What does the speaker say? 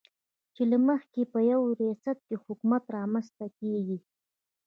چې له مخې یې په یوه ریاست کې حکومت رامنځته کېږي.